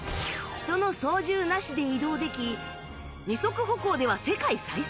人の操縦なしで移動でき二足歩行では世界最速